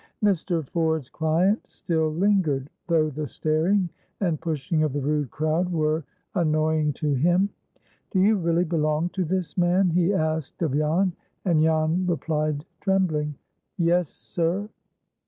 Mr. Ford's client still lingered, though the staring and pushing of the rude crowd were annoying to him. "Do you really belong to this man?" he asked of Jan, and Jan replied, trembling, "Yes, sir."